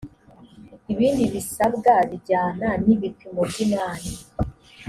ibindi bisabwa bijyana n ibipimo by imari